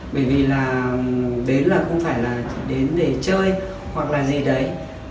bởi vì là đến là không phải là đến để chơi hoặc là gì đấy